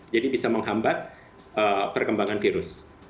jadi bisa menghambat perkembangan virus